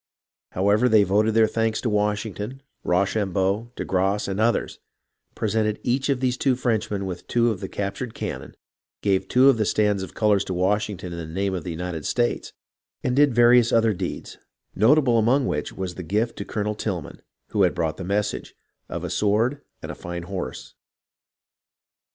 However, they voted their thanks to Washington, Rocham beau, de Grasse and others ; presented each of these two Frenchmen with two of the captured cannon ; gave two of the stands of colours to Washington in the name of the United States, and did various other deeds, notable among which was the gift to Colonel Tilghman, who had brought the message, of a sword and a fine horse.